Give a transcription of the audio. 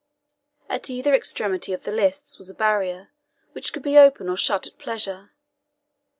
At either extremity of the lists was a barrier, which could be opened or shut at pleasure.